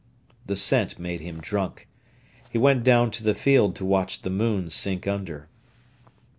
The scent made him drunk. He went down to the field to watch the moon sink under.